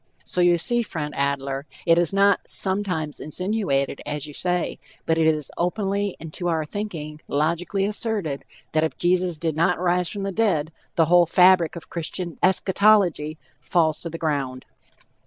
So, you see, friend Adler, it is not "sometimes insinuated," as you say, but it is openly, and to our thinking, logically asserted, that if Jesus did not rise from the dead, the whole fabric of Christian eschatology falls to the ground.